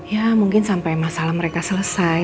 ya mungkin sampai masalah mereka selesai